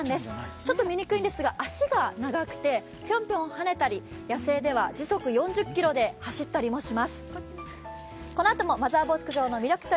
ちょっと見にくいんですが足が長くてぴょんぴょんはねたり野性では時速４０キロで走ったりします。